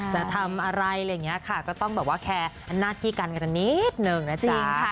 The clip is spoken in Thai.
จะทำอะไรอะไรอย่างนี้ค่ะก็ต้องแบบว่าแคร์หน้าที่การเงินกันนิดนึงนะจ๊ะ